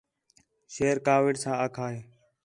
شیر کاوِڑ ساں آکھا ہِے